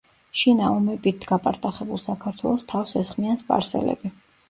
შინა ომებით გაპარტახებულ საქართველოს თავს ესხმიან სპარსელები.